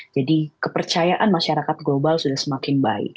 jadi kepercayaan masyarakat global sudah semakin baik